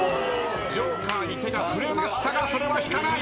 ジョーカーに手が触れましたがそれは引かない。